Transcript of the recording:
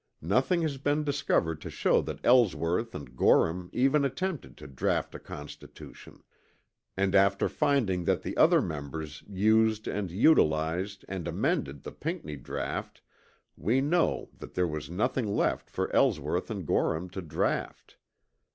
Nothing has been discovered to show that Ellsworth and Gorham even attempted to draught a constitution; and after finding that the other members used and utilized and amended the Pinckney draught we know that there was nothing left for Ellsworth and Gorham to draught.